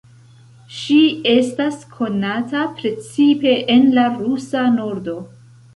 Ŝi estas konata precipe en la Rusa Nordo.